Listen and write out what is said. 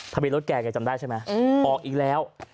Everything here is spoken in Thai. ทะเบียนรถแกจำได้ใช่ไหมออกอีกแล้ว